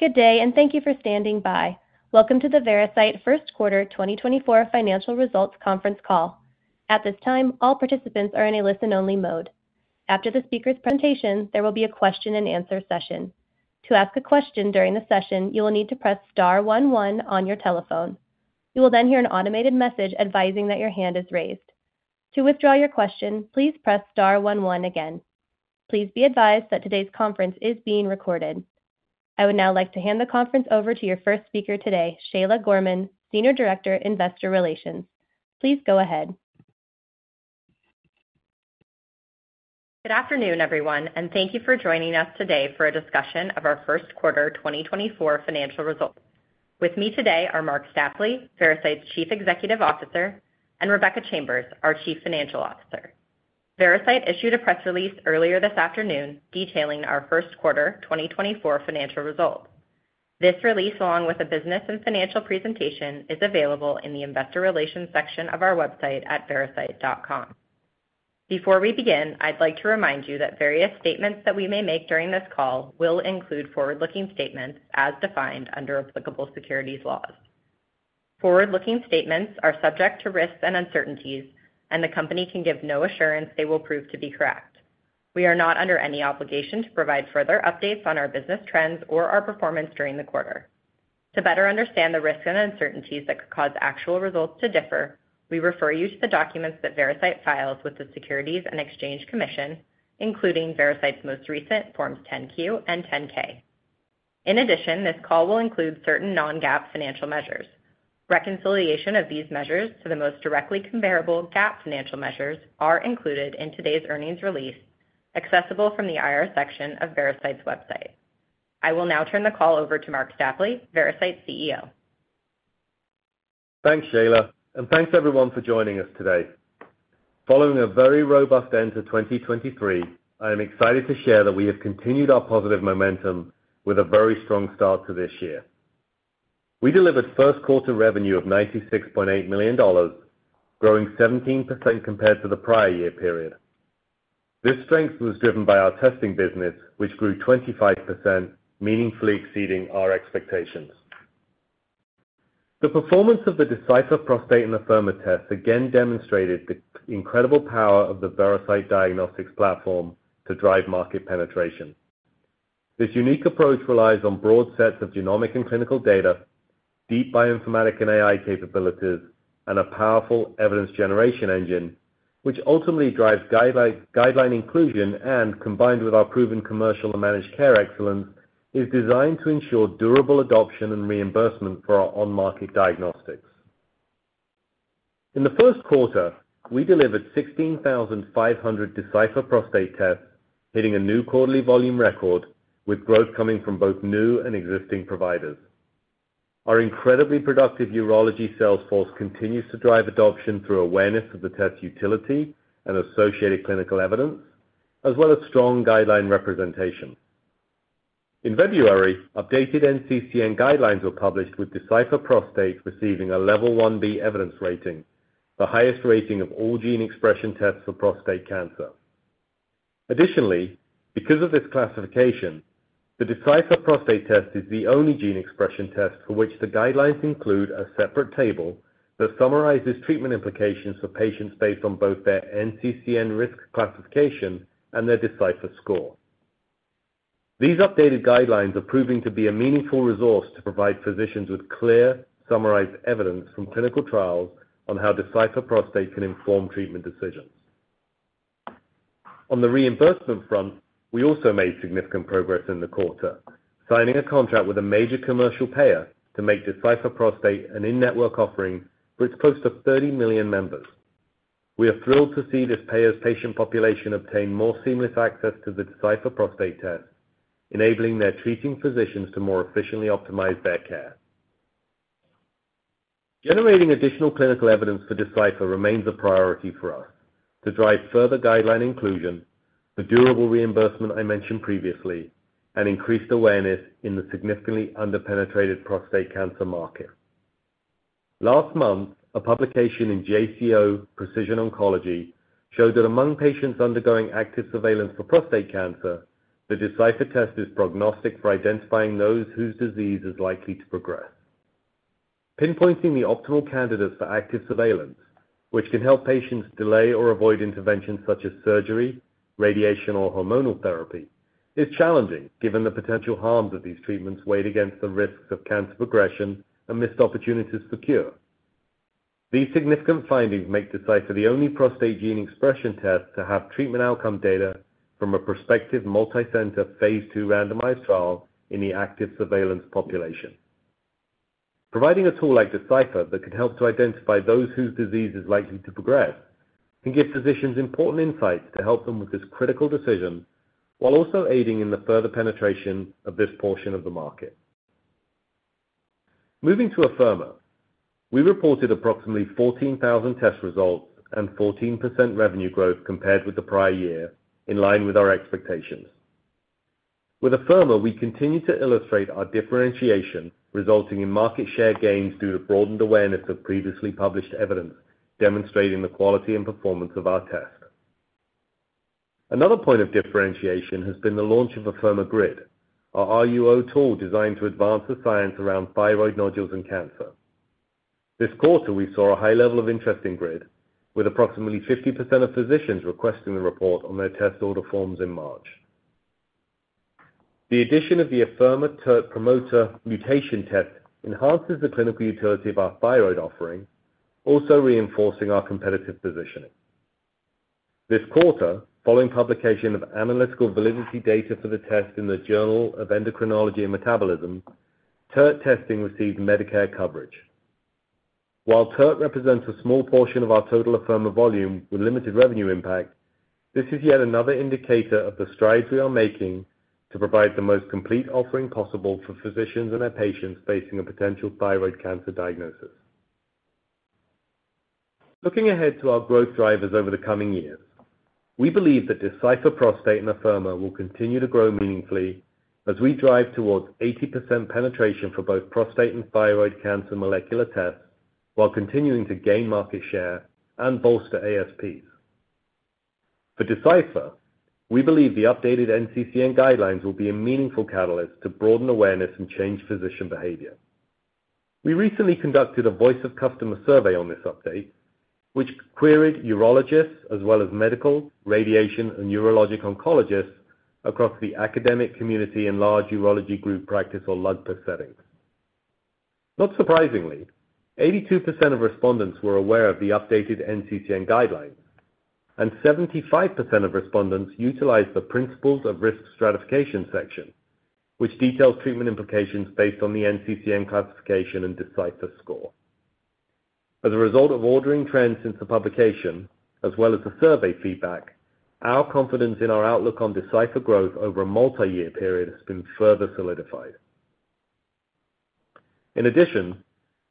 Good day, and thank you for standing by. Welcome to the Veracyte First Quarter 2024 Financial Results Conference Call. At this time, all participants are in a listen-only mode. After the speaker's presentation, there will be a question-and-answer session. To ask a question during the session, you will need to press star one one on your telephone. You will then hear an automated message advising that your hand is raised. To withdraw your question, please press star one one again. Please be advised that today's conference is being recorded. I would now like to hand the conference over to your first speaker today, Shayla Gorman, Senior Director, Investor Relations. Please go ahead. Good afternoon, everyone, and thank you for joining us today for a discussion of our first quarter 2024 financial results. With me today are Marc Stapley, Veracyte's Chief Executive Officer, and Rebecca Chambers, our Chief Financial Officer. Veracyte issued a press release earlier this afternoon detailing our first quarter 2024 financial results. This release, along with a business and financial presentation, is available in the Investor Relations section of our website at veracyte.com. Before we begin, I'd like to remind you that various statements that we may make during this call will include forward-looking statements as defined under applicable securities laws. Forward-looking statements are subject to risks and uncertainties, and the company can give no assurance they will prove to be correct. We are not under any obligation to provide further updates on our business trends or our performance during the quarter. To better understand the risks and uncertainties that could cause actual results to differ, we refer you to the documents that Veracyte files with the Securities and Exchange Commission, including Veracyte's most recent Forms 10-Q and 10-K. In addition, this call will include certain non-GAAP financial measures. Reconciliation of these measures to the most directly comparable GAAP financial measures are included in today's earnings release, accessible from the IR section of Veracyte's website. I will now turn the call over to Marc Stapley, Veracyte CEO. Thanks, Shayla, and thanks everyone for joining us today. Following a very robust end to 2023, I am excited to share that we have continued our positive momentum with a very strong start to this year. We delivered first quarter revenue of $96.8 million, growing 17% compared to the prior year period. This strength was driven by our testing business, which grew 25%, meaningfully exceeding our expectations. The performance of the Decipher Prostate and Afirma tests again demonstrated the incredible power of the Veracyte diagnostics platform to drive market penetration. This unique approach relies on broad sets of genomic and clinical data, deep bioinformatic and AI capabilities, and a powerful evidence generation engine, which ultimately drives guideline inclusion and, combined with our proven commercial and managed care excellence, is designed to ensure durable adoption and reimbursement for our on-market diagnostics. In the first quarter, we delivered 16,500 Decipher Prostate tests, hitting a new quarterly volume record, with growth coming from both new and existing providers. Our incredibly productive urology sales force continues to drive adoption through awareness of the test's utility and associated clinical evidence, as well as strong guideline representation. In February, updated NCCN guidelines were published, with Decipher Prostate receiving a Level 1B evidence rating, the highest rating of all gene expression tests for prostate cancer. Additionally, because of this classification, the Decipher Prostate test is the only gene expression test for which the guidelines include a separate table that summarizes treatment implications for patients based on both their NCCN risk classification and their Decipher score. These updated guidelines are proving to be a meaningful resource to provide physicians with clear, summarized evidence from clinical trials on how Decipher Prostate can inform treatment decisions. On the reimbursement front, we also made significant progress in the quarter, signing a contract with a major commercial payer to make Decipher Prostate an in-network offering for its close to 30 million members. We are thrilled to see this payer's patient population obtain more seamless access to the Decipher Prostate test, enabling their treating physicians to more efficiently optimize their care. Generating additional clinical evidence for Decipher remains a priority for us to drive further guideline inclusion, the durable reimbursement I mentioned previously, and increased awareness in the significantly under-penetrated prostate cancer market. Last month, a publication in JCO Precision Oncology showed that among patients undergoing active surveillance for prostate cancer, the Decipher test is prognostic for identifying those whose disease is likely to progress. Pinpointing the optimal candidates for active surveillance, which can help patients delay or avoid interventions such as surgery, radiation, or hormonal therapy, is challenging given the potential harms of these treatments weighed against the risks of cancer progression and missed opportunities for cure. These significant findings make Decipher the only prostate gene expression test to have treatment outcome data from a prospective multi-center phase II randomized trial in the active surveillance population. Providing a tool like Decipher that could help to identify those whose disease is likely to progress can give physicians important insights to help them with this critical decision while also aiding in the further penetration of this portion of the market. Moving to Afirma, we reported approximately 14,000 test results and 14% revenue growth compared with the prior year, in line with our expectations. With Afirma, we continue to illustrate our differentiation, resulting in market share gains due to broadened awareness of previously published evidence demonstrating the quality and performance of our test. Another point of differentiation has been the launch of Afirma GRID, our RUO tool designed to advance the science around thyroid nodules and cancer. This quarter, we saw a high level of interest in GRID, with approximately 50% of physicians requesting the report on their test order forms in March. The addition of the Afirma TERT promoter mutation test enhances the clinical utility of our thyroid offering, also reinforcing our competitive positioning. This quarter, following publication of analytical validity data for the test in the Journal of Endocrinology and Metabolism, TERT testing received Medicare coverage. While TERT represents a small portion of our total Afirma volume with limited revenue impact, this is yet another indicator of the strides we are making to provide the most complete offering possible for physicians and their patients facing a potential thyroid cancer diagnosis. Looking ahead to our growth drivers over the coming years, we believe that Decipher Prostate and Afirma will continue to grow meaningfully as we drive towards 80% penetration for both prostate and thyroid cancer molecular tests while continuing to gain market share and bolster ASPs. For Decipher, we believe the updated NCCN guidelines will be a meaningful catalyst to broaden awareness and change physician behavior. We recently conducted a Voice of Customer survey on this update, which queried urologists as well as medical, radiation, and neurologic oncologists across the academic community and large urology group practice or LUGPA settings. Not surprisingly, 82% of respondents were aware of the updated NCCN guidelines, and 75% of respondents utilized the Principles of Risk Stratification section, which details treatment implications based on the NCCN classification and Decipher score. As a result of ordering trends since the publication, as well as the survey feedback, our confidence in our outlook on Decipher growth over a multi-year period has been further solidified. In addition,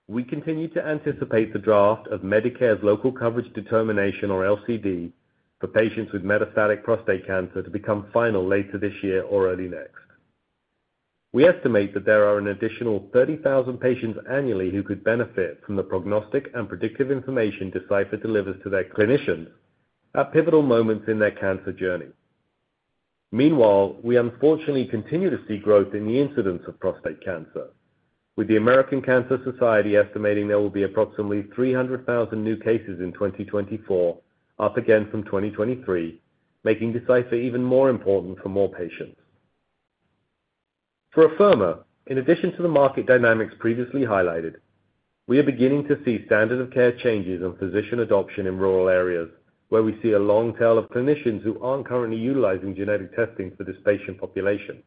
we continue to anticipate the draft of Medicare's Local Coverage Determination, or LCD, for patients with metastatic prostate cancer to become final later this year or early next. We estimate that there are an additional 30,000 patients annually who could benefit from the prognostic and predictive information Decipher delivers to their clinicians at pivotal moments in their cancer journey. Meanwhile, we unfortunately continue to see growth in the incidence of prostate cancer, with the American Cancer Society estimating there will be approximately 300,000 new cases in 2024, up again from 2023, making Decipher even more important for more patients. For Afirma, in addition to the market dynamics previously highlighted, we are beginning to see standard of care changes in physician adoption in rural areas where we see a long tail of clinicians who aren't currently utilizing genetic testing for this patient population.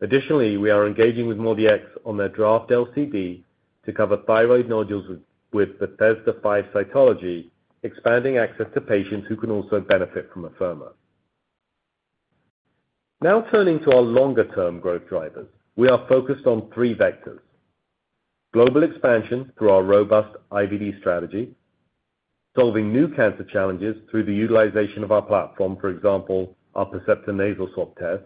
Additionally, we are engaging with MACs on their draft LCD to cover thyroid nodules with Bethesda V cytology, expanding access to patients who can also benefit from Afirma. Now turning to our longer-term growth drivers, we are focused on three vectors: global expansion through our robust IVD strategy, solving new cancer challenges through the utilization of our platform, for example, our Percepta nasal swab test,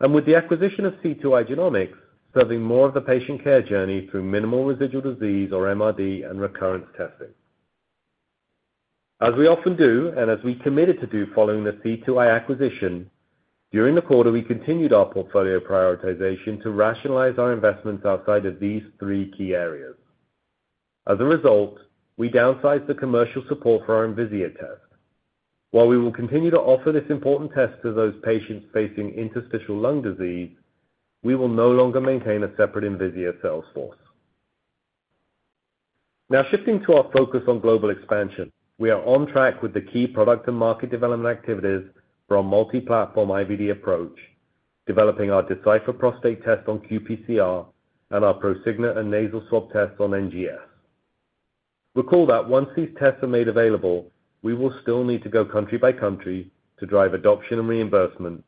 and with the acquisition of C2i Genomics, serving more of the patient care journey through minimal residual disease, or MRD, and recurrence testing. As we often do and as we committed to do following the C2i acquisition, during the quarter, we continued our portfolio prioritization to rationalize our investments outside of these three key areas. As a result, we downsized the commercial support for our Envisia test. While we will continue to offer this important test to those patients facing interstitial lung disease, we will no longer maintain a separate Envisia sales force. Now shifting to our focus on global expansion, we are on track with the key product and market development activities for our multi-platform IVD approach, developing our Decipher Prostate test on qPCR and our ProSigna and nasal swab tests on NGS. Recall that once these tests are made available, we will still need to go country by country to drive adoption and reimbursement,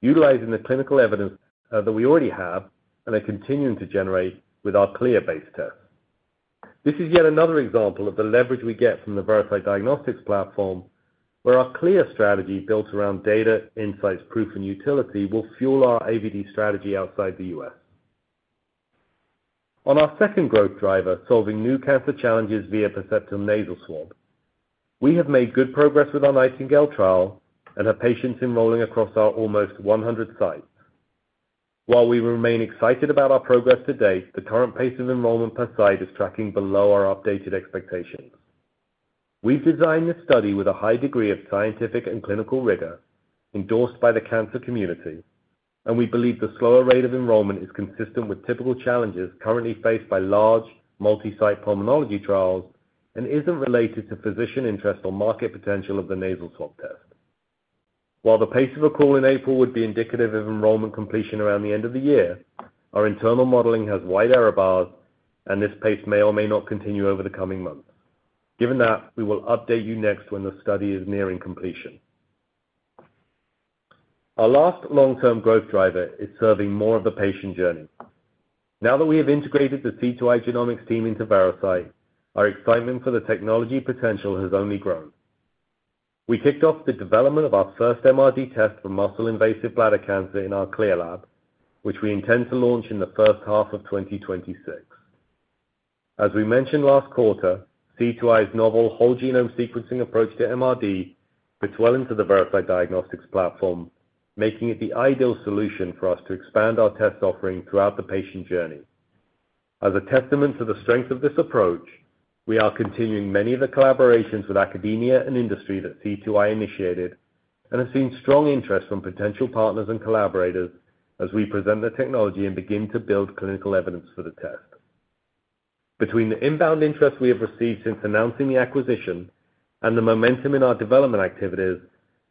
utilizing the clinical evidence that we already have and are continuing to generate with our CLIA-based tests. This is yet another example of the leverage we get from the Veracyte Diagnostics platform, where our CLIA strategy, built around data, insights, proof, and utility, will fuel our IVD strategy outside the U.S. On our second growth driver, solving new cancer challenges via Percepta Nasal Swab, we have made good progress with our Nightingale trial and have patients enrolling across our almost 100 sites. While we remain excited about our progress to date, the current pace of enrollment per site is tracking below our updated expectations. We've designed this study with a high degree of scientific and clinical rigor, endorsed by the cancer community, and we believe the slower rate of enrollment is consistent with typical challenges currently faced by large, multi-site pulmonology trials and isn't related to physician interest or market potential of the nasal swab test. While the pace of accrual in April would be indicative of enrollment completion around the end of the year, our internal modeling has wide error bars, and this pace may or may not continue over the coming months. Given that, we will update you next when the study is nearing completion. Our last long-term growth driver is serving more of the patient journey. Now that we have integrated the C2i Genomics team into Veracyte, our excitement for the technology potential has only grown. We kicked off the development of our first MRD test for muscle-invasive bladder cancer in our CLIA lab, which we intend to launch in the first half of 2026. As we mentioned last quarter, C2i's novel whole genome sequencing approach to MRD integrated into the Veracyte Diagnostics platform, making it the ideal solution for us to expand our test offering throughout the patient journey. As a testament to the strength of this approach, we are continuing many of the collaborations with academia and industry that C2i initiated and have seen strong interest from potential partners and collaborators as we present the technology and begin to build clinical evidence for the test. Between the inbound interest we have received since announcing the acquisition and the momentum in our development activities,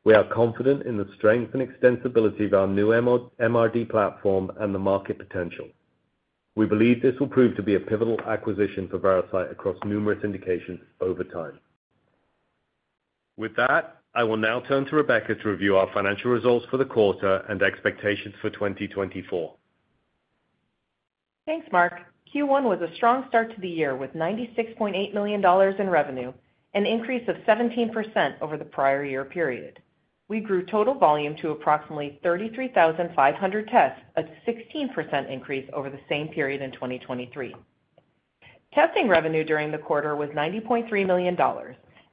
we are confident in the strength and extensibility of our new MRD platform and the market potential. We believe this will prove to be a pivotal acquisition for Veracyte across numerous indications over time. With that, I will now turn to Rebecca to review our financial results for the quarter and expectations for 2024. Thanks, Marc. Q1 was a strong start to the year with $96.8 million in revenue, an increase of 17% over the prior year period. We grew total volume to approximately 33,500 tests, a 16% increase over the same period in 2023. Testing revenue during the quarter was $90.3 million,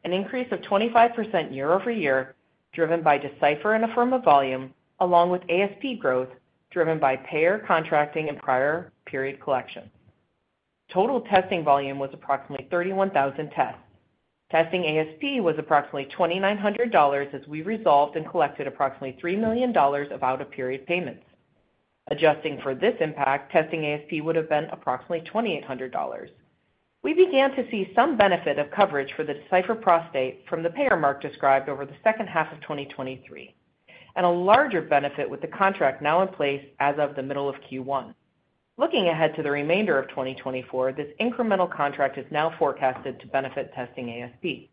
an increase of 25% year-over-year driven by Decipher and Afirma volume, along with ASP growth driven by payer contracting and prior period collection. Total testing volume was approximately 31,000 tests. Testing ASP was approximately $2,900 as we resolved and collected approximately $3 million of out-of-period payments. Adjusting for this impact, testing ASP would have been approximately $2,800. We began to see some benefit of coverage for the Decipher Prostate from the payer mark described over the second half of 2023, and a larger benefit with the contract now in place as of the middle of Q1. Looking ahead to the remainder of 2024, this incremental contract is now forecasted to benefit testing ASP.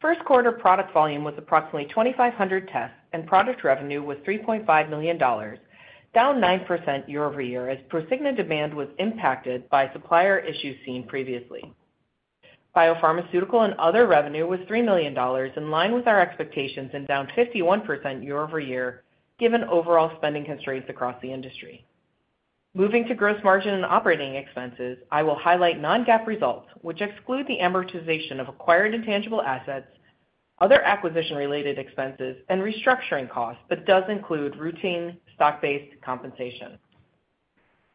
First quarter product volume was approximately 2,500 tests, and product revenue was $3.5 million, down 9% year-over-year as ProSigna demand was impacted by supplier issues seen previously. Biopharmaceutical and other revenue was $3 million, in line with our expectations, and down 51% year-over-year given overall spending constraints across the industry. Moving to gross margin and operating expenses, I will highlight non-GAAP results, which exclude the amortization of acquired intangible assets, other acquisition-related expenses, and restructuring costs but does include routine stock-based compensation.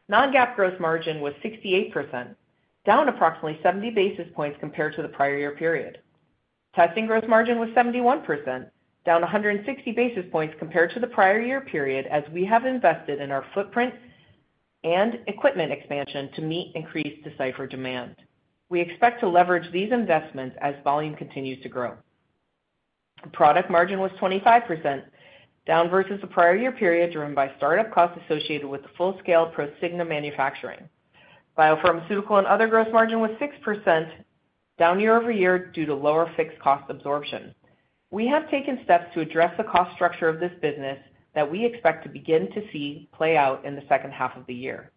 Non-GAAP gross margin was 68%, down approximately 70 basis points compared to the prior year period. Testing gross margin was 71%, down 160 basis points compared to the prior year period as we have invested in our footprint and equipment expansion to meet increased Decipher demand. We expect to leverage these investments as volume continues to grow. Product margin was 25%, down versus the prior year period driven by startup costs associated with the full-scale ProSigna manufacturing. Biopharmaceutical and other gross margin was 6%, down year-over-year due to lower fixed cost absorption. We have taken steps to address the cost structure of this business that we expect to begin to see play out in the second half of the year.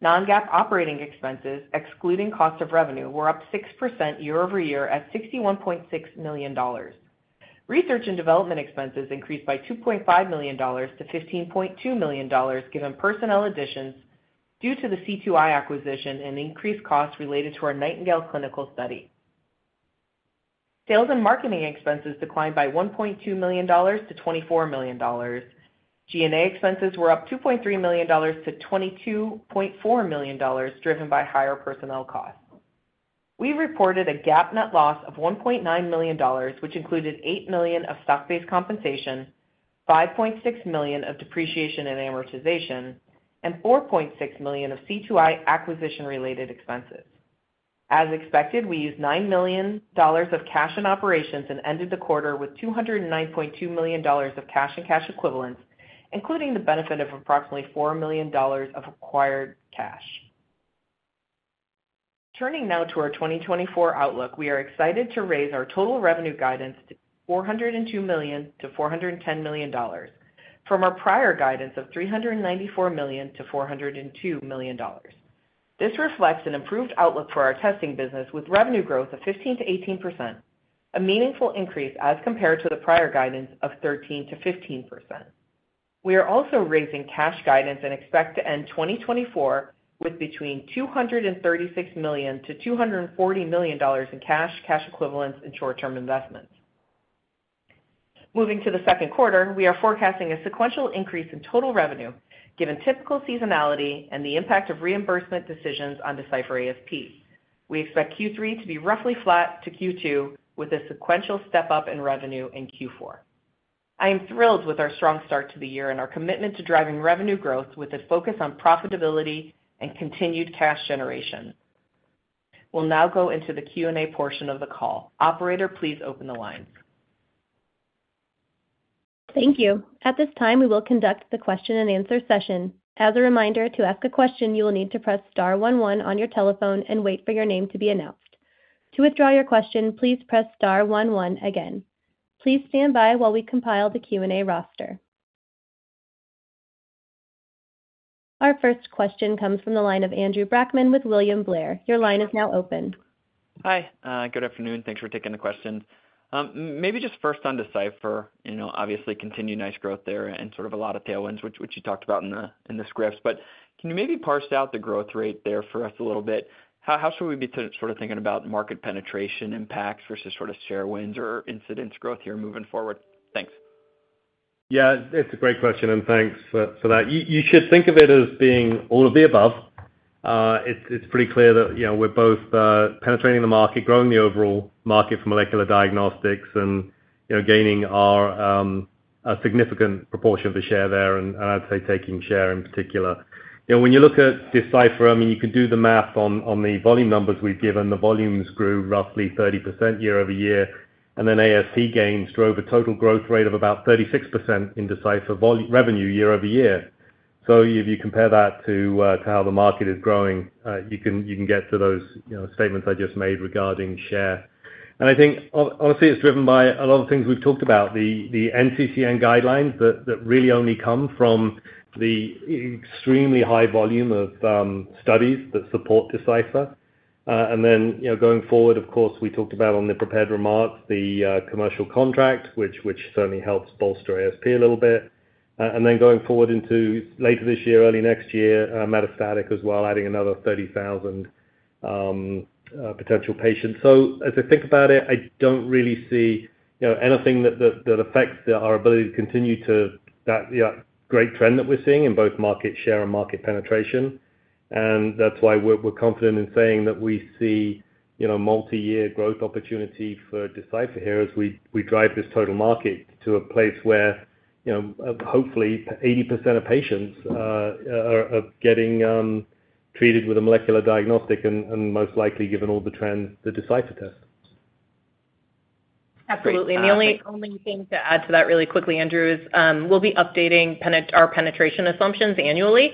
Non-GAAP operating expenses, excluding cost of revenue, were up 6% year-over-year at $61.6 million. Research and development expenses increased by $2.5 million-$15.2 million given personnel additions due to the C2i acquisition and increased costs related to our Nightingale clinical study. Sales and marketing expenses declined by $1.2 million-$24 million. G&A expenses were up $2.3 million-$22.4 million driven by higher personnel costs. We reported a GAAP net loss of $1.9 million, which included $8 million of stock-based compensation, $5.6 million of depreciation and amortization, and $4.6 million of C2i acquisition-related expenses. As expected, we used $9 million of cash in operations and ended the quarter with $209.2 million of cash and cash equivalents, including the benefit of approximately $4 million of acquired cash. Turning now to our 2024 outlook, we are excited to raise our total revenue guidance to $402 million-$410 million from our prior guidance of $394 million-$402 million. This reflects an improved outlook for our testing business with revenue growth of 15%-18%, a meaningful increase as compared to the prior guidance of 13%-15%. We are also raising cash guidance and expect to end 2024 with between $236 million-$240 million in cash, cash equivalents, and short-term investments. Moving to the second quarter, we are forecasting a sequential increase in total revenue given typical seasonality and the impact of reimbursement decisions on Decipher ASP. We expect Q3 to be roughly flat to Q2 with a sequential step-up in revenue in Q4. I am thrilled with our strong start to the year and our commitment to driving revenue growth with a focus on profitability and continued cash generation. We'll now go into the Q&A portion of the call. Operator, please open the lines. Thank you. At this time, we will conduct the question-and-answer session. As a reminder, to ask a question, you will need to press star one one on your telephone and wait for your name to be announced. To withdraw your question, please press star one one again. Please stand by while we compile the Q&A roster. Our first question comes from the line of Andrew Brackman with William Blair. Your line is now open. Hi. Good afternoon. Thanks for taking the question. Maybe just first on Decipher, obviously, continued nice growth there and sort of a lot of tailwinds, which you talked about in the scripts. But can you maybe parse out the growth rate there for us a little bit? How should we be sort of thinking about market penetration impacts versus sort of share wins or incidence growth here moving forward? Thanks. Yeah. It's a great question, and thanks for that. You should think of it as being all of the above. It's pretty clear that we're both penetrating the market, growing the overall market for molecular diagnostics, and gaining a significant proportion of the share there, and I'd say taking share in particular. When you look at Decipher, I mean, you can do the math on the volume numbers we've given. The volumes grew roughly 30% year-over-year, and then ASP gains drove a total growth rate of about 36% in Decipher revenue year-over-year. So if you compare that to how the market is growing, you can get to those statements I just made regarding share. And I think, honestly, it's driven by a lot of things we've talked about, the NCCN guidelines that really only come from the extremely high volume of studies that support Decipher. And then going forward, of course, we talked about, on the prepared remarks, the commercial contract, which certainly helps bolster ASP a little bit. And then going forward into later this year, early next year, Metastatic as well, adding another 30,000 potential patients. So as I think about it, I don't really see anything that affects our ability to continue that great trend that we're seeing in both market share and market penetration. And that's why we're confident in saying that we see multi-year growth opportunity for Decipher here as we drive this total market to a place where, hopefully, 80% of patients are getting treated with a molecular diagnostic and most likely, given all the trends, the Decipher test. Absolutely. The only thing to add to that really quickly, Andrew, is we'll be updating our penetration assumptions annually.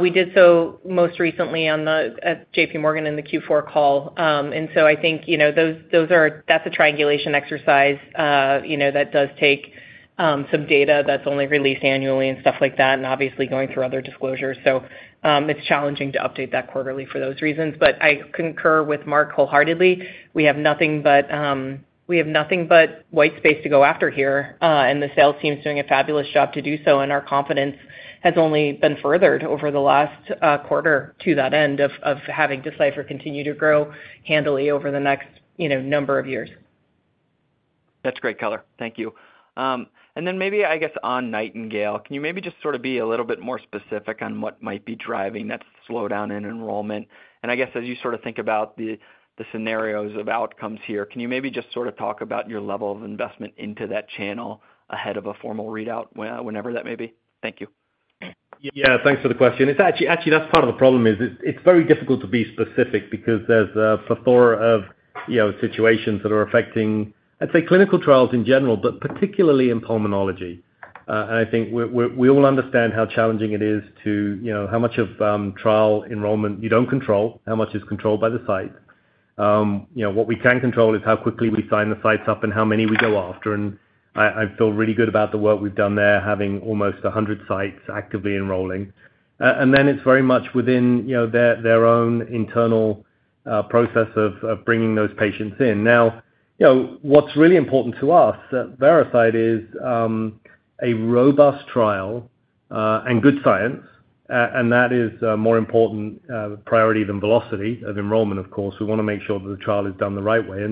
We did so most recently at JPMorgan in the Q4 call. So I think those are a triangulation exercise that does take some data that's only released annually and stuff like that and obviously going through other disclosures. So it's challenging to update that quarterly for those reasons. But I concur with Marc wholeheartedly. We have nothing but white space to go after here. And the sales team's doing a fabulous job to do so, and our confidence has only been furthered over the last quarter to that end of having Decipher continue to grow handily over the next number of years. That's great color. Thank you. And then maybe, I guess, on Nightingale, can you maybe just sort of be a little bit more specific on what might be driving that slowdown in enrollment? And I guess as you sort of think about the scenarios of outcomes here, can you maybe just sort of talk about your level of investment into that channel ahead of a formal readout, whenever that may be? Thank you. Yeah. Thanks for the question. Actually, that's part of the problem, is it's very difficult to be specific because there's a plethora of situations that are affecting, I'd say, clinical trials in general but particularly in pulmonology. And I think we all understand how challenging it is to how much of trial enrollment you don't control. How much is controlled by the sites? What we can control is how quickly we sign the sites up and how many we go after. And I feel really good about the work we've done there, having almost 100 sites actively enrolling. And then it's very much within their own internal process of bringing those patients in. Now, what's really important to us at Veracyte is a robust trial and good science. And that is a more important priority than velocity of enrollment, of course. We want to make sure that the trial is done the right way.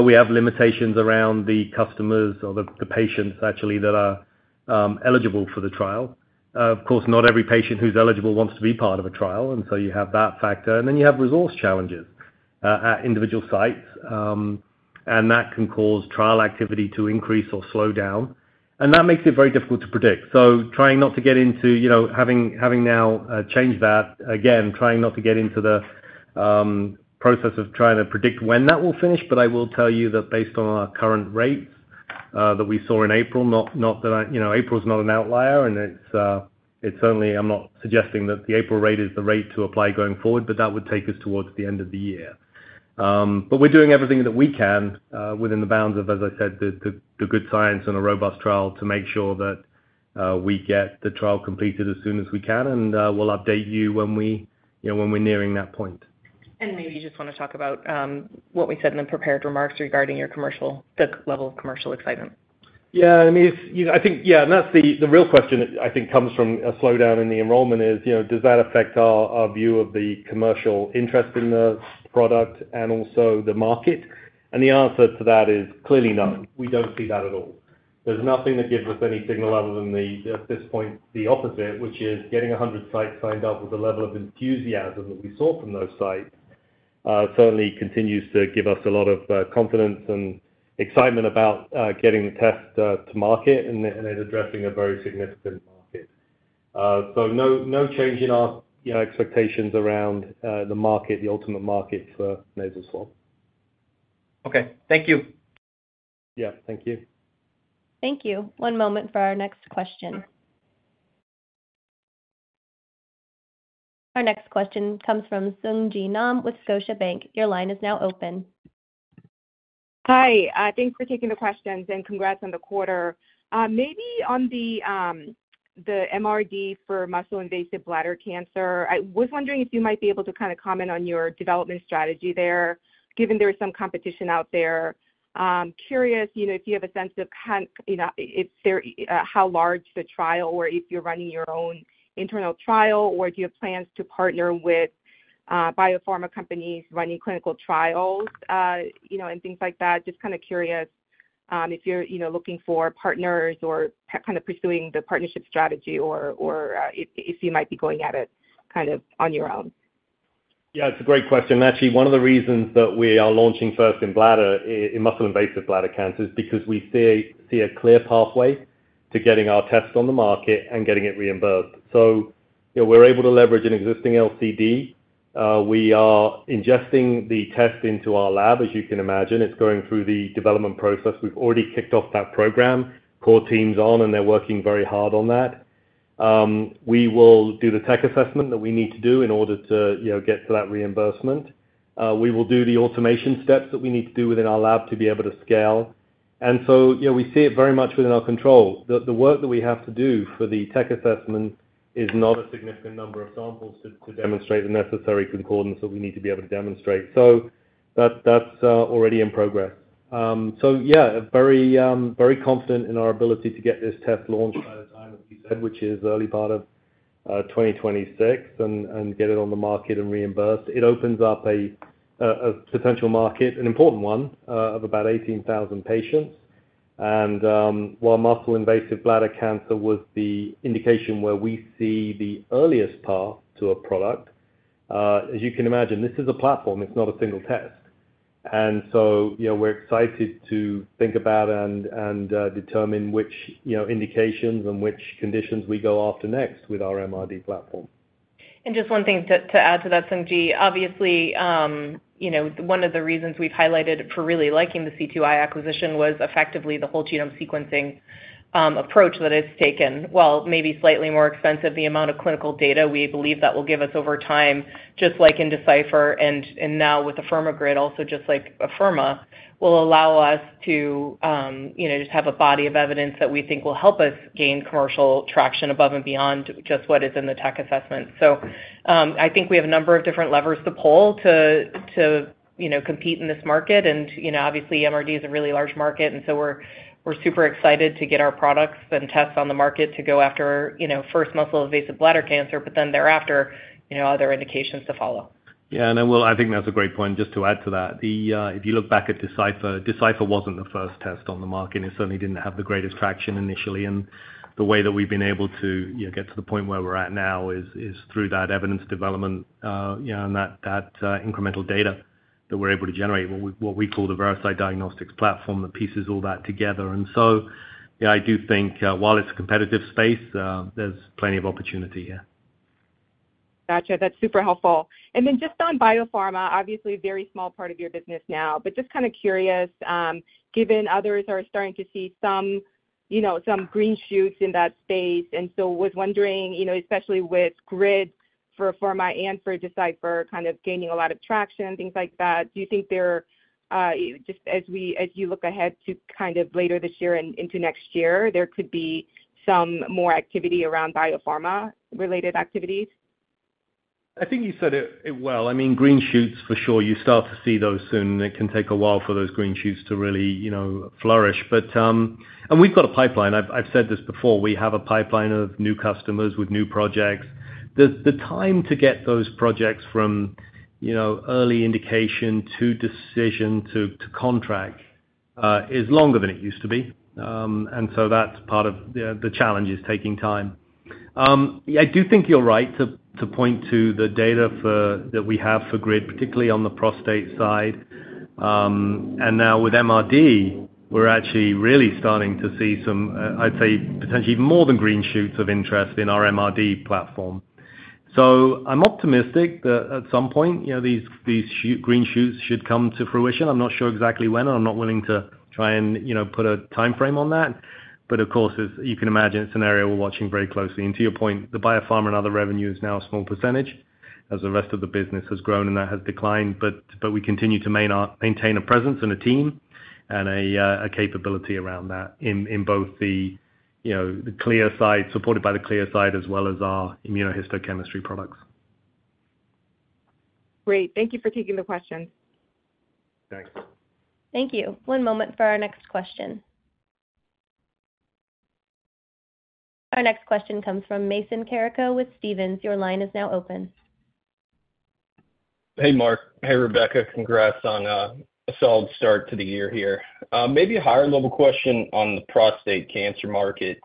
We have limitations around the customers or the patients, actually, that are eligible for the trial. Of course, not every patient who's eligible wants to be part of a trial, and so you have that factor. You have resource challenges at individual sites, and that can cause trial activity to increase or slow down. That makes it very difficult to predict. Trying not to get into having now changed that, again, trying not to get into the process of trying to predict when that will finish. I will tell you that based on our current rates that we saw in April, not that April's not an outlier, and it's certainly I'm not suggesting that the April rate is the rate to apply going forward, but that would take us towards the end of the year. But we're doing everything that we can within the bounds of, as I said, the good science and a robust trial to make sure that we get the trial completed as soon as we can. And we'll update you when we're nearing that point. And maybe you just want to talk about what we said in the prepared remarks regarding your level of commercial excitement. Yeah. I mean, I think yeah. And that's the real question that, I think, comes from a slowdown in the enrollment, is does that affect our view of the commercial interest in the product and also the market? And the answer to that is clearly no. We don't see that at all. There's nothing that gives us any signal other than, at this point, the opposite, which is getting 100 sites signed up with the level of enthusiasm that we saw from those sites certainly continues to give us a lot of confidence and excitement about getting the test to market and it addressing a very significant market. So no change in our expectations around the ultimate market for nasal swabs. Okay. Thank you. Yeah. Thank you. Thank you. One moment for our next question. Our next question comes from Sung Ji Nam with Scotiabank. Your line is now open. Hi. Thanks for taking the questions, and congrats on the quarter. Maybe on the MRD for muscle-invasive bladder cancer, I was wondering if you might be able to kind of comment on your development strategy there given there is some competition out there. Curious if you have a sense of how large the trial or if you're running your own internal trial, or do you have plans to partner with biopharma companies running clinical trials and things like that? Just kind of curious if you're looking for partners or kind of pursuing the partnership strategy or if you might be going at it kind of on your own. Yeah. It's a great question. Actually, one of the reasons that we are launching first in muscle-invasive bladder cancer is because we see a clear pathway to getting our test on the market and getting it reimbursed. So we're able to leverage an existing LCD. We are ingesting the test into our lab, as you can imagine. It's going through the development process. We've already kicked off that program. Core team's on, and they're working very hard on that. We will do the tech assessment that we need to do in order to get to that reimbursement. We will do the automation steps that we need to do within our lab to be able to scale. And so we see it very much within our control. The work that we have to do for the tech assessment is not a significant number of samples to demonstrate the necessary concordance that we need to be able to demonstrate. So that's already in progress. So yeah, very confident in our ability to get this test launched by the time, as you said, which is early part of 2026, and get it on the market and reimbursed. It opens up a potential market, an important one, of about 18,000 patients. And while muscle-invasive bladder cancer was the indication where we see the earliest path to a product, as you can imagine, this is a platform. It's not a single test. And so we're excited to think about and determine which indications and which conditions we go after next with our MRD platform. And just one thing to add to that, Sung Ji, obviously, one of the reasons we've highlighted for really liking the C2i acquisition was effectively the whole genome sequencing approach that it's taken. While maybe slightly more expensive, the amount of clinical data we believe that will give us over time, just like in Decipher and now with Afirma GRID, also just like Afirma, will allow us to just have a body of evidence that we think will help us gain commercial traction above and beyond just what is in the tech assessment. I think we have a number of different levers to pull to compete in this market. And obviously, MRD is a really large market, and so we're super excited to get our products and tests on the market to go after first muscle-invasive bladder cancer, but then thereafter, other indications to follow. Yeah. I think that's a great point just to add to that. If you look back at Decipher, Decipher wasn't the first test on the market. It certainly didn't have the greatest traction initially. The way that we've been able to get to the point where we're at now is through that evidence development and that incremental data that we're able to generate, what we call the Veracyte Diagnostics platform that pieces all that together. So I do think while it's a competitive space, there's plenty of opportunity here. Gotcha. That's super helpful. And then just on biopharma, obviously, a very small part of your business now. But just kind of curious, given others are starting to see some green shoots in that space, and so was wondering, especially with Afirma GRID for Afirma and for Decipher kind of gaining a lot of traction, things like that, do you think there just as you look ahead to kind of later this year and into next year, there could be some more activity around biopharma-related activities? I think you said it well. I mean, green shoots, for sure. You start to see those soon, and it can take a while for those green shoots to really flourish. And we've got a pipeline. I've said this before. We have a pipeline of new customers with new projects. The time to get those projects from early indication to decision to contract is longer than it used to be. And so that's part of the challenge is taking time. I do think you're right to point to the data that we have for Grid, particularly on the prostate side. And now with MRD, we're actually really starting to see some, I'd say, potentially even more than green shoots of interest in our MRD platform. So I'm optimistic that at some point, these green shoots should come to fruition. I'm not sure exactly when, and I'm not willing to try and put a timeframe on that. But of course, you can imagine it's an area we're watching very closely. And to your point, the biopharma and other revenue is now a small percentage as the rest of the business has grown, and that has declined. But we continue to maintain a presence and a team and a capability around that in both the Decipher side, supported by the Decipher side, as well as our immunohistochemistry products. Great. Thank you for taking the questions. Thanks. Thank you. One moment for our next question. Our next question comes from Mason Carrico with Stephens. Your line is now open. Hey, Marc. Hey, Rebecca. Congrats on a solid start to the year here. Maybe a higher-level question on the prostate cancer market.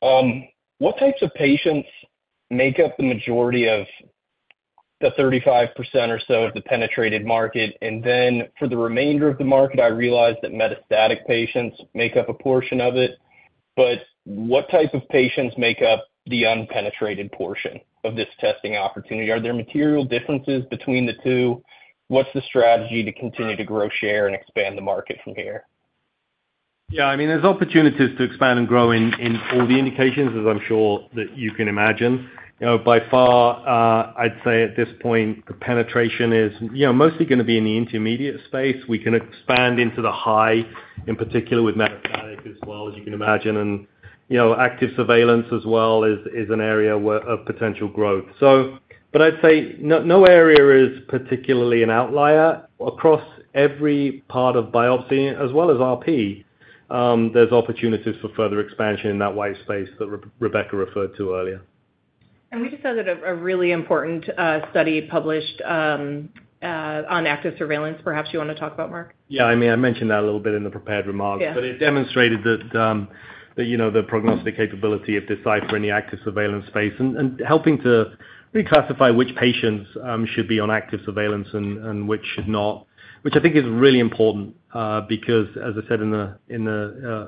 What types of patients make up the majority of the 35% or so of the penetrated market? And then for the remainder of the market, I realize that metastatic patients make up a portion of it. But what type of patients make up the unpenetrated portion of this testing opportunity? Are there material differences between the two? What's the strategy to continue to grow share and expand the market from here? Yeah. I mean, there's opportunities to expand and grow in all the indications, as I'm sure that you can imagine. By far, I'd say at this point, the penetration is mostly going to be in the intermediate space. We can expand into the high, in particular with metastatic as well, as you can imagine. And active surveillance as well is an area of potential growth. But I'd say no area is particularly an outlier. Across every part of biopsy, as well as RP, there's opportunities for further expansion in that white space that Rebecca referred to earlier. And we just saw that a really important study published on active surveillance. Perhaps you want to talk about, Marc? Yeah. I mean, I mentioned that a little bit in the prepared remarks, but it demonstrated the prognostic capability of Decipher in the active surveillance space and helping to reclassify which patients should be on active surveillance and which should not, which I think is really important because, as I said in the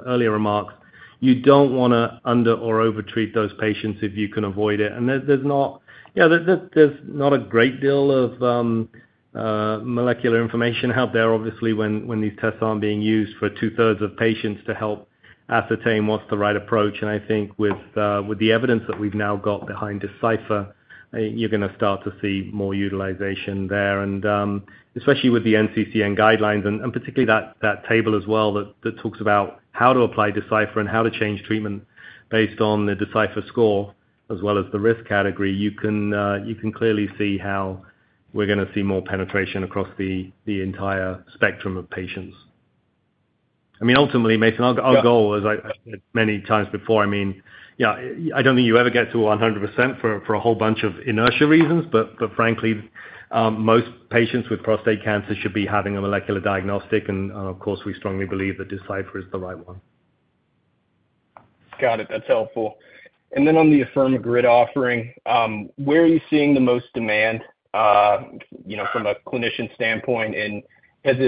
earlier remarks, you don't want to under- or overtreat those patients if you can avoid it. And there's not a great deal of molecular information out there, obviously, when these tests aren't being used for two-thirds of patients to help ascertain what's the right approach. And I think with the evidence that we've now got behind Decipher, you're going to start to see more utilization there, especially with the NCCN guidelines and particularly that table as well that talks about how to apply Decipher and how to change treatment based on the Decipher score as well as the risk category. You can clearly see how we're going to see more penetration across the entire spectrum of patients. I mean, ultimately, Mason, our goal is, as I've said many times before, I mean, I don't think you ever get to 100% for a whole bunch of inertia reasons. But frankly, most patients with prostate cancer should be having a molecular diagnostic. And of course, we strongly believe that Decipher is the right one. Got it. That's helpful. And then on the Afirma Grid offering, where are you seeing the most demand from a clinician standpoint? Have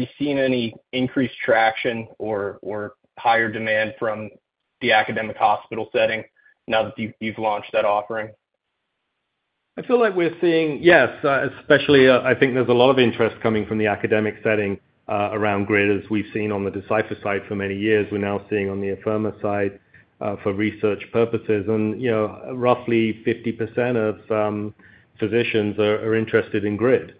you seen any increased traction or higher demand from the academic hospital setting now that you've launched that offering? I feel like we're seeing yes. Especially, I think there's a lot of interest coming from the academic setting around Grid, as we've seen on the Decipher side for many years. We're now seeing on the Afirma side for research purposes. Roughly 50% of physicians are interested in Grid.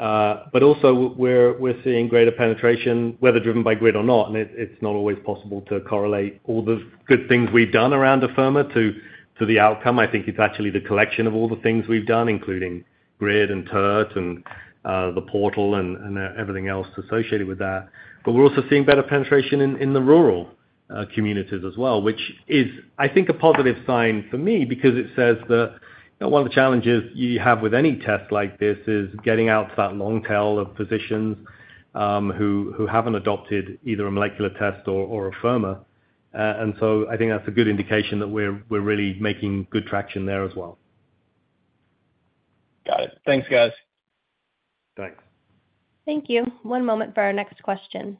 But also, we're seeing greater penetration, whether driven by Grid or not. It's not always possible to correlate all the good things we've done around Afirma to the outcome. I think it's actually the collection of all the things we've done, including Grid and TERT and the portal and everything else associated with that. But we're also seeing better penetration in the rural communities as well, which is, I think, a positive sign for me because it says that one of the challenges you have with any test like this is getting out to that long tail of physicians who haven't adopted either a molecular test or Afirma. And so I think that's a good indication that we're really making good traction there as well. Got it. Thanks, guys. Thanks. Thank you. One moment for our next question.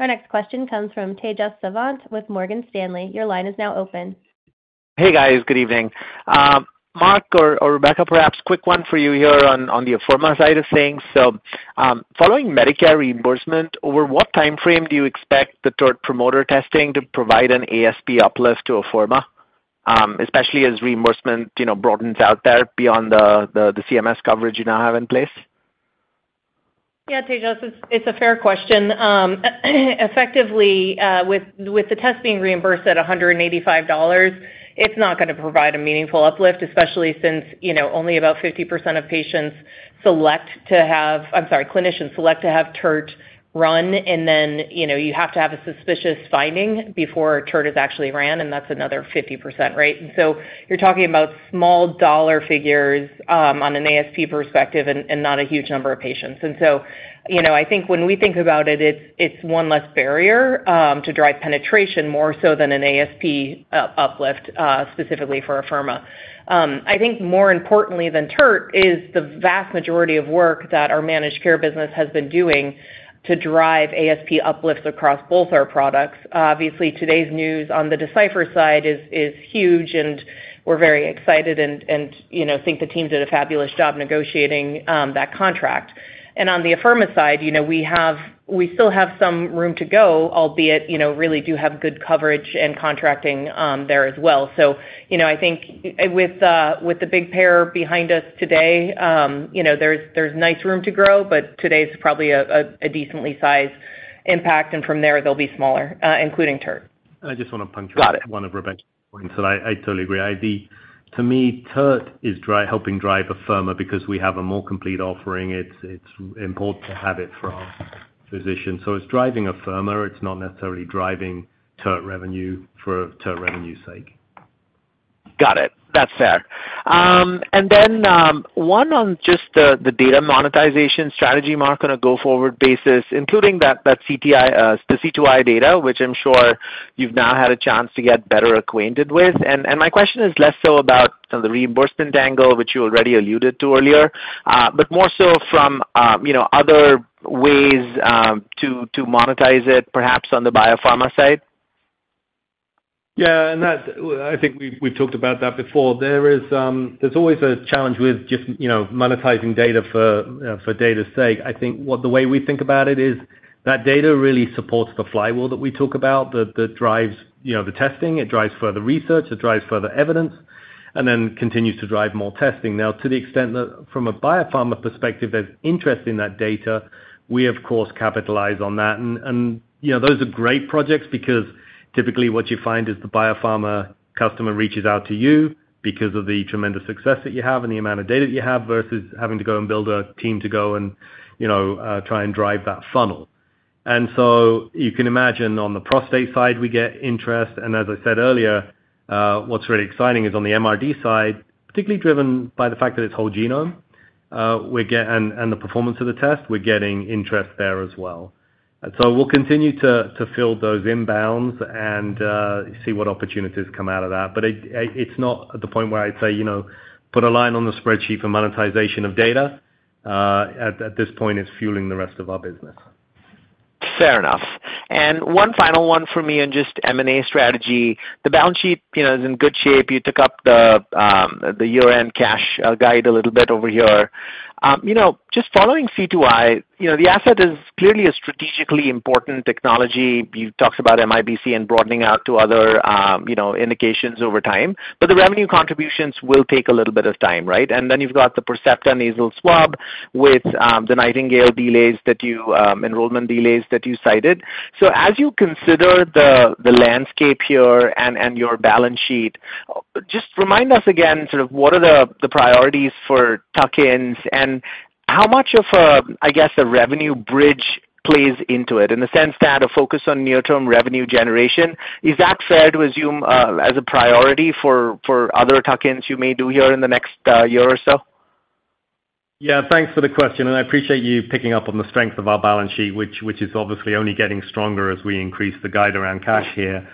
Our next question comes from Tejas Savant with Morgan Stanley. Your line is now open. Hey, guys. Good evening. Marc or Rebecca, perhaps quick one for you here on the Afirma side of things. So following Medicare reimbursement, over what timeframe do you expect the TERT promoter testing to provide an ASP uplift to Afirma, especially as reimbursement broadens out there beyond the CMS coverage you now have in place? Yeah, Tejas, it's a fair question. Effectively, with the test being reimbursed at $185, it's not going to provide a meaningful uplift, especially since only about 50% of patients select to have I'm sorry, clinicians select to have TERT run. And then you have to have a suspicious finding before TERT is actually ran, and that's another 50%, right? And so you're talking about small dollar figures on an ASP perspective and not a huge number of patients. And so I think when we think about it, it's one less barrier to drive penetration more so than an ASP uplift specifically for Afirma. I think more importantly than TERT is the vast majority of work that our managed care business has been doing to drive ASP uplifts across both our products. Obviously, today's news on the Decipher side is huge, and we're very excited and think the team did a fabulous job negotiating that contract. On the Afirma side, we still have some room to go, albeit we really do have good coverage and contracting there as well. I think with the big payer behind us today, there's nice room to grow, but today's probably a decently sized impact. From there, they'll be smaller, including TERT. I just want to punctuate one of Rebecca's points that I totally agree with. To me, TERT is helping drive Afirma because we have a more complete offering. It's important to have it for our physicians. So it's driving Afirma. It's not necessarily driving test revenue for test revenue's sake. Got it. That's fair. And then one on just the data monetization strategy, Marc, on a go-forward basis, including that C2i data, which I'm sure you've now had a chance to get better acquainted with. And my question is less so about the reimbursement angle, which you already alluded to earlier, but more so from other ways to monetize it, perhaps on the biopharma side. Yeah. And I think we've talked about that before. There's always a challenge with just monetizing data for data's sake. I think the way we think about it is that data really supports the flywheel that we talk about that drives the testing. It drives further research. It drives further evidence and then continues to drive more testing. Now, to the extent that from a biopharma perspective, there's interest in that data, we, of course, capitalize on that. Those are great projects because typically, what you find is the biopharma customer reaches out to you because of the tremendous success that you have and the amount of data that you have versus having to go and build a team to go and try and drive that funnel. You can imagine on the prostate side, we get interest. As I said earlier, what's really exciting is on the MRD side, particularly driven by the fact that it's whole genome and the performance of the test, we're getting interest there as well. We'll continue to fill those inbounds and see what opportunities come out of that. It's not at the point where I'd say put a line on the spreadsheet for monetization of data. At this point, it's fueling the rest of our business. Fair enough. And one final one for me on just M&A strategy. The balance sheet is in good shape. You took up the year-end cash guide a little bit over here. Just following C2i, the asset is clearly a strategically important technology. You've talked about MIBC and broadening out to other indications over time. But the revenue contributions will take a little bit of time, right? And then you've got the Percepta Nasal Swab with the Nightingale enrollment delays that you cited. So as you consider the landscape here and your balance sheet, just remind us again sort of what are the priorities for tuck-ins and how much of, I guess, a revenue bridge plays into it in the sense that a focus on near-term revenue generation, is that fair to assume as a priority for other tuck-ins you may do here in the next year or so? Yeah. Thanks for the question. And I appreciate you picking up on the strength of our balance sheet, which is obviously only getting stronger as we increase the guide around cash here.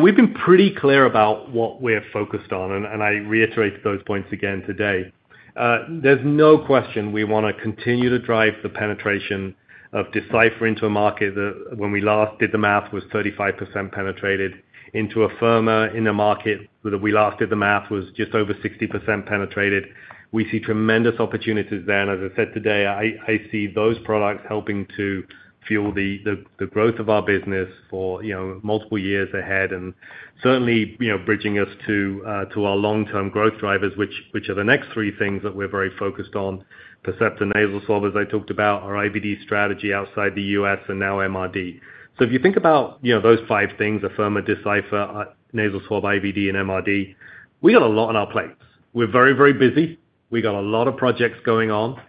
We've been pretty clear about what we're focused on, and I reiterated those points again today. There's no question we want to continue to drive the penetration of Decipher into a market that when we last did the math was 35% penetrated. Into Afirma in a market that we last did the math was just over 60% penetrated. We see tremendous opportunities there. As I said today, I see those products helping to fuel the growth of our business for multiple years ahead and certainly bridging us to our long-term growth drivers, which are the next three things that we're very focused on: Percepta Nasal Swab, as I talked about, our IVD strategy outside the U.S., and now MRD. If you think about those five things, Afirma, Decipher, Nasal Swab, IVD, and MRD, we got a lot on our plates. We're very, very busy. We got a lot of projects going on.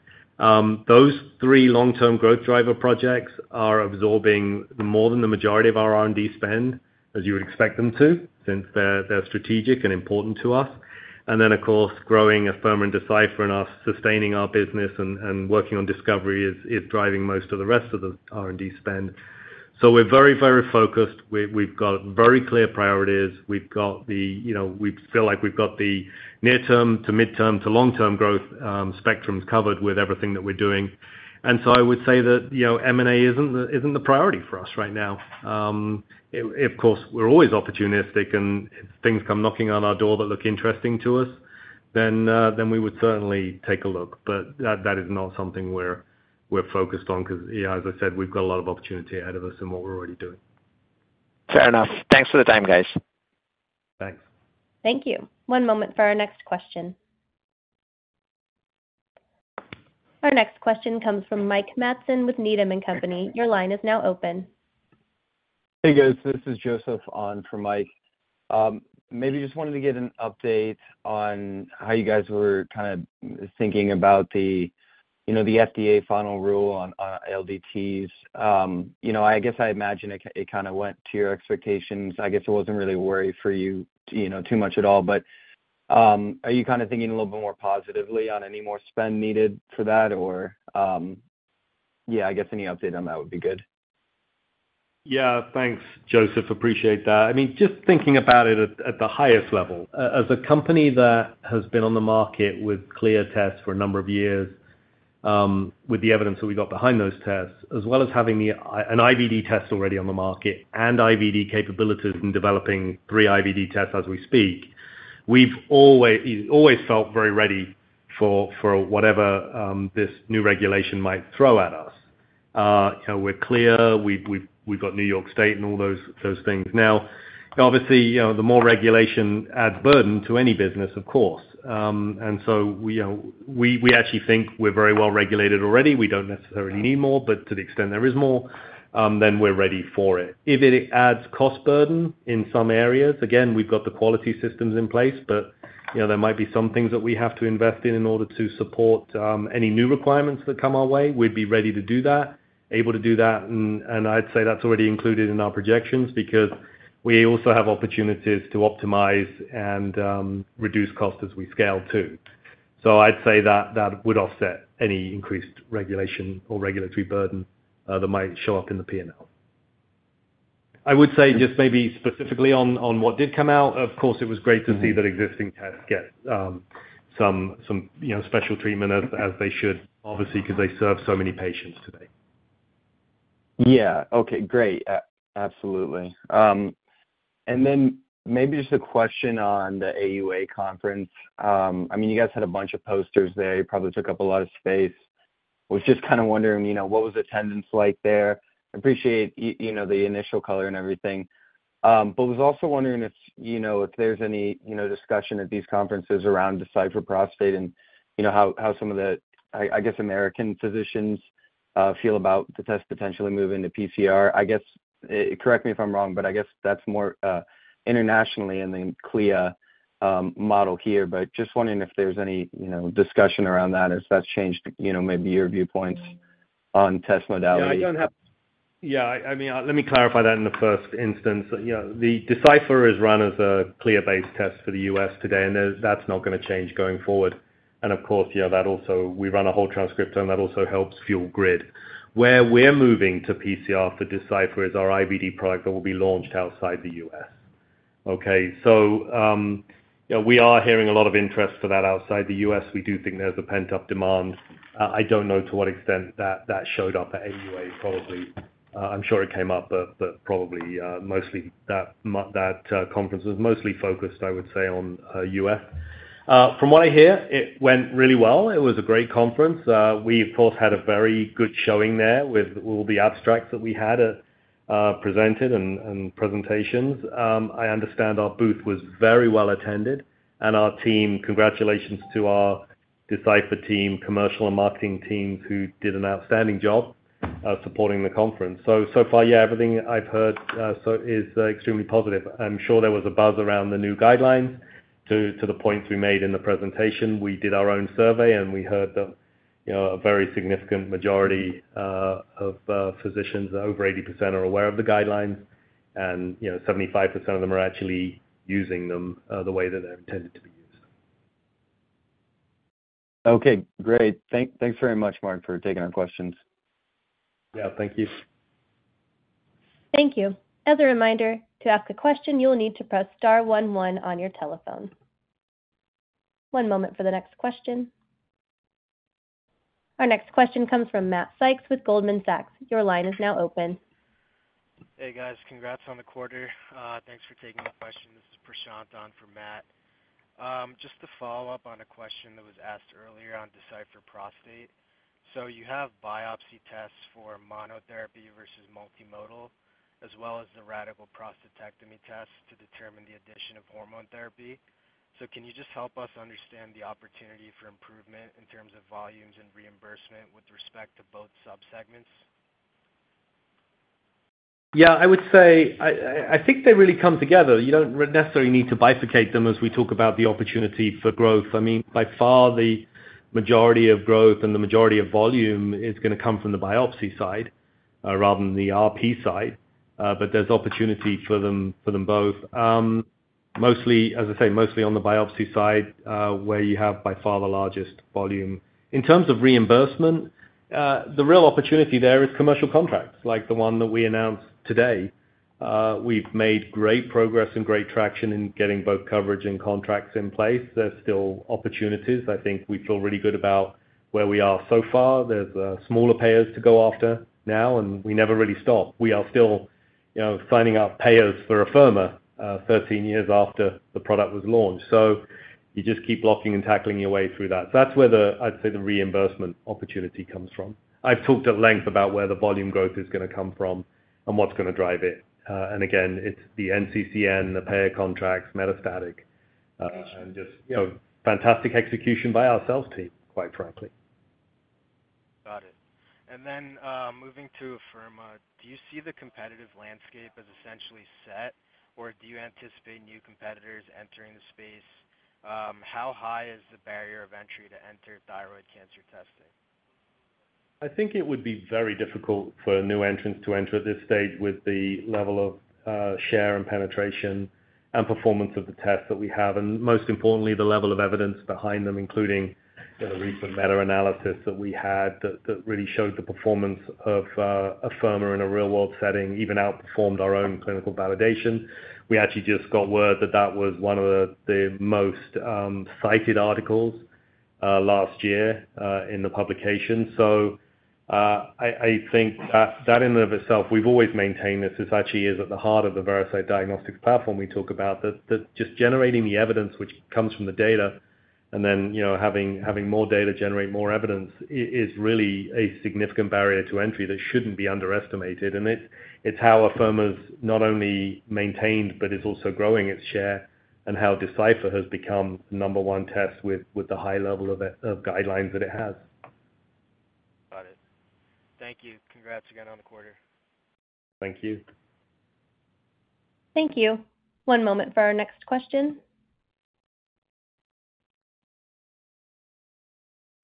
Those three long-term growth driver projects are absorbing more than the majority of our R&D spend, as you would expect them to, since they're strategic and important to us. And then, of course, growing Afirma and Decipher and sustaining our business and working on discovery is driving most of the rest of the R&D spend. So we're very, very focused. We've got very clear priorities. We feel like we've got the near-term to mid-term to long-term growth spectrums covered with everything that we're doing. And so I would say that M&A isn't the priority for us right now. Of course, we're always opportunistic. And if things come knocking on our door that look interesting to us, then we would certainly take a look. But that is not something we're focused on because, yeah, as I said, we've got a lot of opportunity ahead of us in what we're already doing. Fair enough. Thanks for the time, guys. Thanks. Thank you. One moment for our next question. Our next question comes from Mike Matson with Needham & Company. Your line is now open. Hey, guys. This is Joseph on from Mike. Maybe just wanted to get an update on how you guys were kind of thinking about the FDA final rule on LDTs. I guess I imagine it kind of went to your expectations. I guess it wasn't really a worry for you too much at all. But are you kind of thinking a little bit more positively on any more spend needed for that, or? Yeah, I guess any update on that would be good. Yeah. Thanks, Joseph. Appreciate that. I mean, just thinking about it at the highest level, as a company that has been on the market with CLIA tests for a number of years with the evidence that we got behind those tests, as well as having an IVD test already on the market and IVD capabilities in developing 3 IVD tests as we speak, we've always felt very ready for whatever this new regulation might throw at us. We're CLIA. We've got New York State and all those things now. Obviously, the more regulation adds burden to any business, of course. And so we actually think we're very well regulated already. We don't necessarily need more. But to the extent there is more, then we're ready for it. If it adds cost burden in some areas, again, we've got the quality systems in place. But there might be some things that we have to invest in in order to support any new requirements that come our way. We'd be ready to do that, able to do that. And I'd say that's already included in our projections because we also have opportunities to optimize and reduce cost as we scale too. So I'd say that would offset any increased regulation or regulatory burden that might show up in the P&L. I would say just maybe specifically on what did come out, of course, it was great to see that existing tests get some special treatment as they should, obviously, because they serve so many patients today. Yeah. Okay. Great. Absolutely. And then maybe just a question on the AUA conference. I mean, you guys had a bunch of posters there. You probably took up a lot of space. I was just kind of wondering what was attendance like there. I appreciate the initial color and everything. But I was also wondering if there's any discussion at these conferences around Decipher Prostate and how some of the, I guess, American physicians feel about the test potentially moving to PCR. Correct me if I'm wrong, but I guess that's more internationally in the CLIA model here. But just wondering if there's any discussion around that as that's changed maybe your viewpoints on test modality. Yeah. I mean, let me clarify that in the first instance. The Decipher is run as a CLIA-based test for the U.S. today, and that's not going to change going forward. And of course, we run a whole transcriptome on that. That also helps fuel GRID. Where we're moving to PCR for Decipher is our IVD product that will be launched outside the U.S., okay? So we are hearing a lot of interest for that outside the U.S. We do think there's a pent-up demand. I don't know to what extent that showed up at AUA, probably. I'm sure it came up, but probably mostly that conference was mostly focused, I would say, on U.S. From what I hear, it went really well. It was a great conference. We, of course, had a very good showing there with all the abstracts that we had presented and presentations. I understand our booth was very well attended. Congratulations to our Decipher team, commercial and marketing teams who did an outstanding job supporting the conference. So far, yeah, everything I've heard is extremely positive. I'm sure there was a buzz around the new guidelines to the points we made in the presentation. We did our own survey, and we heard that a very significant majority of physicians, over 80%, are aware of the guidelines, and 75% of them are actually using them the way that they're intended to be used. Okay. Great. Thanks very much, Marc, for taking our questions. Yeah. Thank you. Thank you. As a reminder, to ask a question, you'll need to press star one one on your telephone. One moment for the next question. Our next question comes from Matt Sykes with Goldman Sachs. Your line is now open. Hey, guys. Congrats on the quarter. Thanks for taking the question. This is Prashant on from Matt. Just to follow up on a question that was asked earlier on Decipher Prostate. So you have biopsy tests for monotherapy versus multimodal, as well as the radical prostatectomy tests to determine the addition of hormone therapy. So can you just help us understand the opportunity for improvement in terms of volumes and reimbursement with respect to both subsegments? Yeah. I think they really come together. You don't necessarily need to bifurcate them as we talk about the opportunity for growth. I mean, by far, the majority of growth and the majority of volume is going to come from the biopsy side rather than the RP side. But there's opportunity for them both, as I say, mostly on the biopsy side where you have by far the largest volume. In terms of reimbursement, the real opportunity there is commercial contracts like the one that we announced today. We've made great progress and great traction in getting both coverage and contracts in place. There's still opportunities. I think we feel really good about where we are so far. There's smaller payers to go after now, and we never really stop. We are still signing up payers for Afirma 13 years after the product was launched. So you just keep locking and tackling your way through that. So that's where, I'd say, the reimbursement opportunity comes from. I've talked at length about where the volume growth is going to come from and what's going to drive it. And again, it's the NCCN, the payer contracts, Metastatic, and just fantastic execution by our sales team, quite frankly. Got it. And then moving to Afirma, do you see the competitive landscape as essentially set, or do you anticipate new competitors entering the space? How high is the barrier of entry to enter thyroid cancer testing? I think it would be very difficult for new entrants to enter at this stage with the level of share and penetration and performance of the tests that we have. And most importantly, the level of evidence behind them, including the recent meta-analysis that we had that really showed the performance of Afirma in a real-world setting, even outperformed our own clinical validation. We actually just got word that that was one of the most cited articles last year in the publication. So I think that in and of itself, we've always maintained this. This actually is at the heart of the Veracyte Diagnostics platform we talk about, that just generating the evidence, which comes from the data, and then having more data generate more evidence is really a significant barrier to entry that shouldn't be underestimated. And it's how Afirma's not only maintained but is also growing its share and how Decipher has become number one test with the high level of guidelines that it has. Got it. Thank you. Congrats again on the quarter. Thank you. Thank you. One moment for our next question.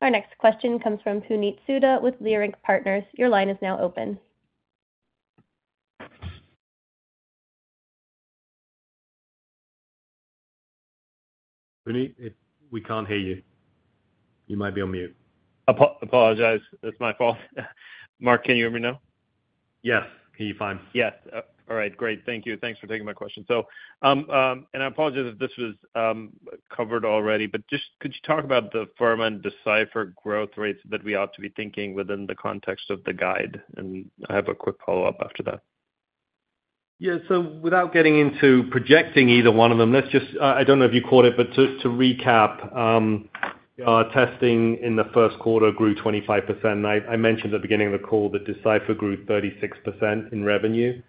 Our next question comes from Puneet Souda with Leerink Partners. Your line is now open. Puneet, we can't hear you. You might be on mute. Apologize. That's my fault. Marc, can you hear me now? Yes. Hear you fine. Yes. All right. Great. Thank you. Thanks for taking my question. And I apologize if this was covered already, but just could you talk about the Afirma and Decipher growth rates that we ought to be thinking within the context of the guide? And I have a quick follow-up after that. Yeah. So without getting into projecting either one of them, I don't know if you caught it, but to recap, our testing in the first quarter grew 25%. I mentioned at the beginning of the call that Decipher grew 36% in revenue.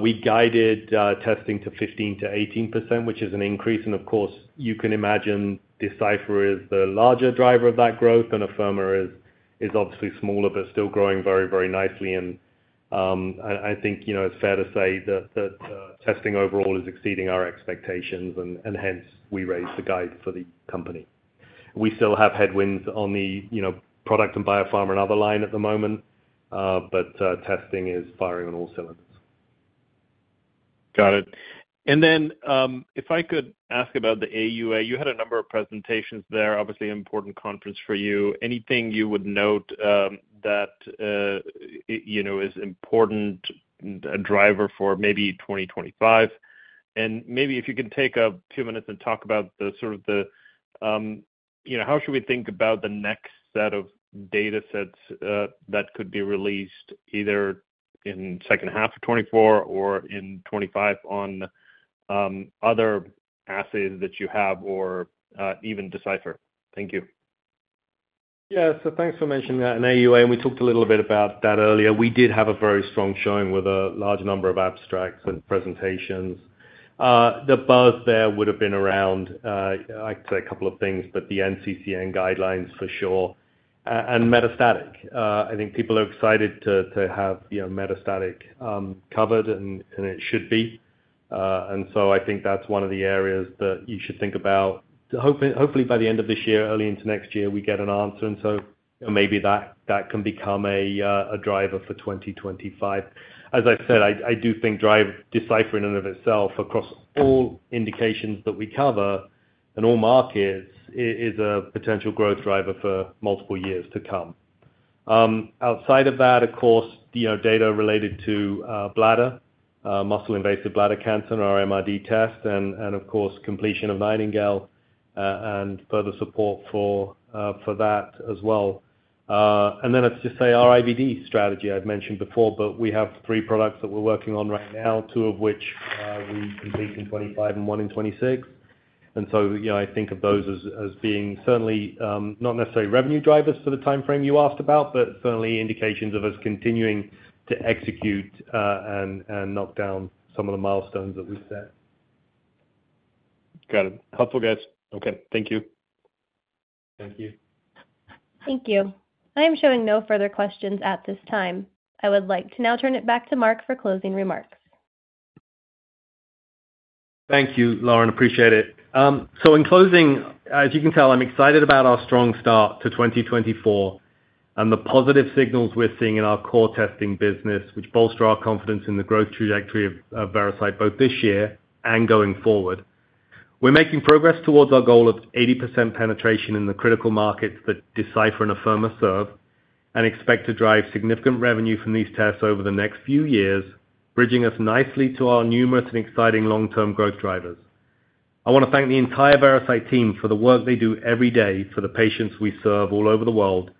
We guided testing to 15%-18%, which is an increase. And of course, you can imagine Decipher is the larger driver of that growth, and Afirma is obviously smaller but still growing very, very nicely. And I think it's fair to say that testing overall is exceeding our expectations, and hence, we raised the guide for the company. We still have headwinds on the product and biopharma and other line at the moment, but testing is firing on all cylinders. Got it. And then if I could ask about the AUA, you had a number of presentations there, obviously an important conference for you. Anything you would note that is important a driver for maybe 2025? And maybe if you can take a few minutes and talk about sort of how should we think about the next set of datasets that could be released either in second half of 2024 or in 2025 on other assays that you have or even Decipher? Thank you. Yeah. So thanks for mentioning that. And AUA, and we talked a little bit about that earlier. We did have a very strong showing with a large number of abstracts and presentations. The buzz there would have been around, I'd say, a couple of things, but the NCCN guidelines for sure and Metastatic. I think people are excited to have Metastatic covered, and it should be. And so I think that's one of the areas that you should think about. Hopefully, by the end of this year, early into next year, we get an answer. And so maybe that can become a driver for 2025. As I said, I do think Decipher in and of itself, across all indications that we cover and all markets, is a potential growth driver for multiple years to come. Outside of that, of course, data related to bladder, muscle-invasive bladder cancer, our MRD test, and of course, completion of Nightingale and further support for that as well. And then I'd just say our IVD strategy. I've mentioned before, but we have three products that we're working on right now, two of which we complete in 2025 and one in 2026. And so I think of those as being certainly not necessarily revenue drivers for the timeframe you asked about, but certainly indications of us continuing to execute and knock down some of the milestones that we've set. Got it. Helpful, guys. Okay. Thank you. Thank you. Thank you. I am showing no further questions at this time. I would like to now turn it back to Marc for closing remarks. Thank you, Lauren. Appreciate it. So in closing, as you can tell, I'm excited about our strong start to 2024 and the positive signals we're seeing in our core testing business, which bolster our confidence in the growth trajectory of Veracyte both this year and going forward. We're making progress toward our goal of 80% penetration in the critical markets that Decipher and Afirma serve and expect to drive significant revenue from these tests over the next few years, bridging us nicely to our numerous and exciting long-term growth drivers. I want to thank the entire Veracyte team for the work they do every day for the patients we serve all over the world.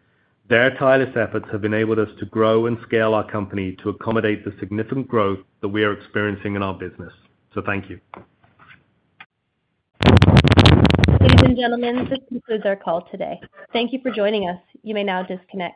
Their tireless efforts have enabled us to grow and scale our company to accommodate the significant growth that we are experiencing in our business. So thank you. Ladies and gentlemen, this concludes our call today. Thank you for joining us. You may now disconnect.